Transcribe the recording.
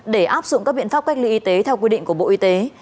để áp dụng các biện pháp cách ly y tế theo quy định của bộ y tế